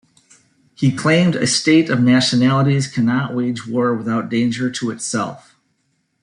He claimed a state of nationalities cannot wage war without danger to itself.